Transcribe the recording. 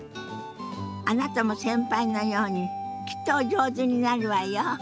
あなたも先輩のようにきっとお上手になるわよ。